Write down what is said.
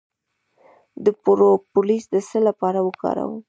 د پروپولیس د څه لپاره وکاروم؟